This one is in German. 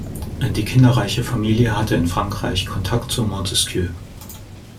Die kinderreiche Familie hatte in Frankreich Kontakt zu Montesquieu.